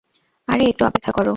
আরে একটু অপেক্ষা কর।